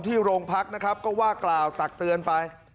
โรงพักนะครับก็ว่ากล่าวตักเตือนไป